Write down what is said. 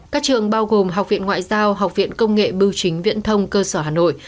các trường bao gồm học viện ngoại giao học viện công nghệ bưu chính viễn thông cơ sở hà nội